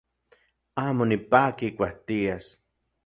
Amo nipaki ijkuak tias.